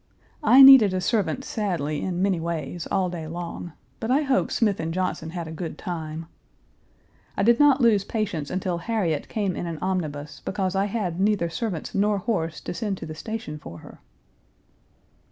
I needed a servant sadly in many ways all day long, but I hope Smith and Johnson had a good time. I did not lose patience until Harriet came in an omnibus because I had neither servants nor horse to send to the station for her.